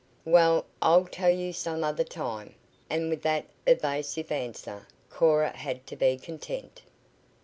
"Well, I'll tell you some other time," and with that evasive answer Cora had to be content.